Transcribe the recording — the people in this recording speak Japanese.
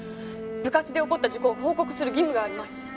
部活で起こった事故を報告する義務があります。